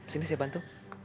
sini saya bantu